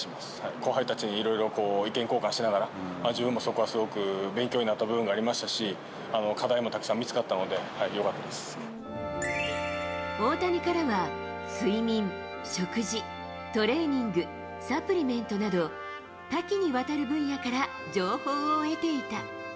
後輩たちにいろいろ意見交換しながら、自分もそこはすごく勉強になった部分もありましたし、課題もたく大谷からは睡眠、食事、トレーニング、サプリメントなど、多岐にわたる分野から情報を得ていた。